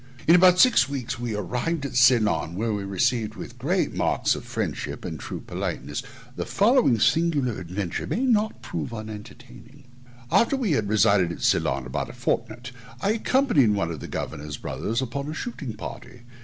In about six weeks we arrived at Ceylon, where we were received with great marks of friendship and true politeness. The following singular adventures may not prove unentertaining. After we had resided at Ceylon about a fortnight I accompanied one of the governor's brothers upon a shooting party.